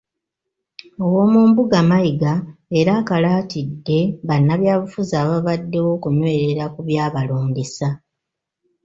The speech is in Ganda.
Owoomumbuga Mayiga era akalaatidde bannabyabufuzi ababaddewo okunywerera ku byabalondesa.